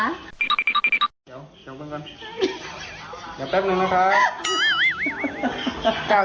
เดี๋ยวเดี๋ยวเปิ้ลก่อน